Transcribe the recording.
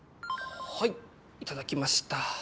はいいただきました。